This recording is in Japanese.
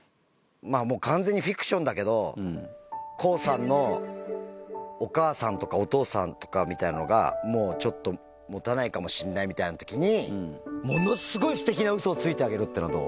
まあ、完全にフィクションだけど、康さんのお母さんとか、お父さんとかみたいなのが、もうちょっともたないかもしれないみたいなときに、ものすごいすてきなうそをついてあげるっていうのはどう？